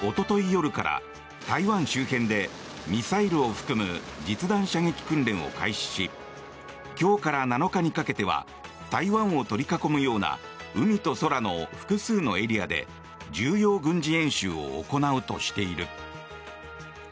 夜から台湾周辺でミサイルを含む実弾射撃訓練を開始し今日から７日にかけては台湾を取り囲むような海と空の複数のエリアで重要軍事演習を行うとしている。